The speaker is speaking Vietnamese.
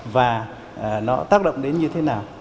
và nó tác động đến như thế nào